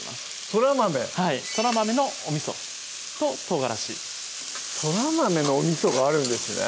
そら豆はいそら豆のお味ととうがらしそら豆のお味があるんですね